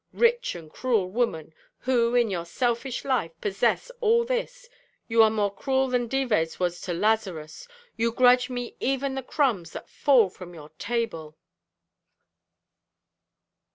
Rich and cruel woman, who, in your selfish life possess all this, you are more cruel than Dives was to Lazarus; you grudge me even the crumbs that fall from your table.'